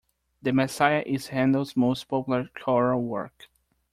The Messiah is Handel's most popular choral work